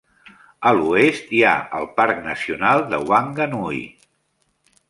A l'oest hi ha el parc nacional de Whanganui.